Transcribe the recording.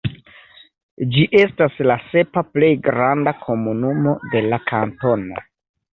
Ĝi estas la sepa plej granda komunumo de la kantono.